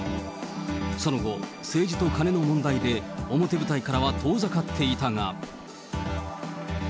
その後、政治とカネの問題で表舞台からは遠ざかっていたが。